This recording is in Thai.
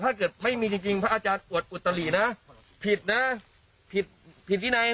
ถ้าเกิดไม่มีจริงจริงพระอาจารย์อุดตรีนะผิดนะผิดผิดที่ไหน